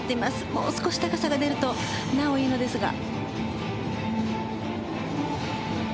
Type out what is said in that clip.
もう少し高さが出るとなお、いいのですが。